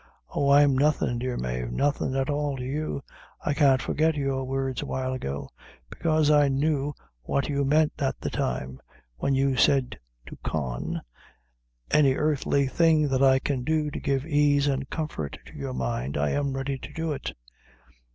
Oh, I'm nothing, dear Mave nothing at all to you. I can't forget your words awhile ago bekaise I knew what you meant at the time, when you said to Con, 'any earthly thing that I can do to give aise and comfort to your mind. I am ready to do it.